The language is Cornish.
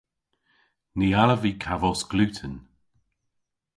Ny allav vy kavos gluten.